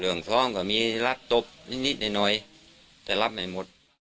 เรื่องซ้อมก็มีรับตบนิดหน่อยแต่รับไม่หมด